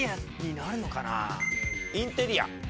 インテリア。